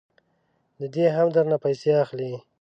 ددې هم درنه پیسې اخلي.